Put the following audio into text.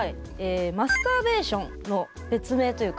マスターベーションの別名というか。